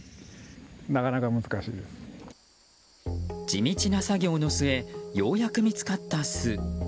地道な作業の末ようやく見つかった巣。